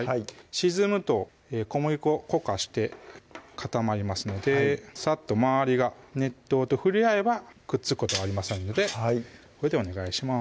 沈むと小麦粉固化して固まりますのでさっと周りが熱湯と触れ合えばくっつくことはありませんのでこれでお願いします